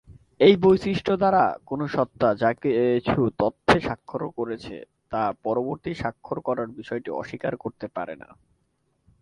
এই বৈশিষ্ট্য দ্বারা, কোনও সত্তা যা কিছু তথ্যে স্বাক্ষর করেছে তা পরবর্তীতে স্বাক্ষর করার বিষয়টি অস্বীকার করতে পারে না।